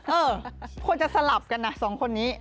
เออควรจะสลับกันนะสองคนนี้